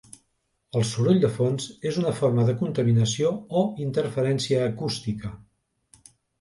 El soroll de fons és una forma de contaminació o interferència acústica.